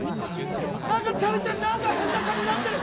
何かチャリチャリ何か変な感じになってる。